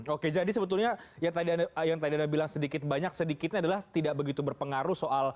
oke jadi sebetulnya yang tadi anda bilang sedikit banyak sedikitnya adalah tidak begitu berpengaruh soal